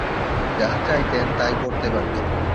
যা চাইতেন তাই পড়তে পারতেন।